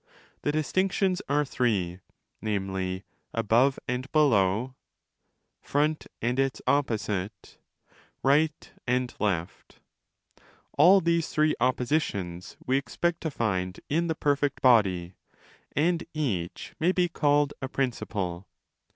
The distinctions are three,? namely, above and below, front and its opposite, right and left—all these three oppositions we expect to find in the perfect body—and each may be called a principle.